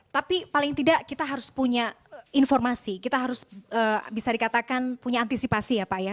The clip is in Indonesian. tapi paling tidak kita harus punya informasi kita harus bisa dikatakan punya antisipasi ya pak ya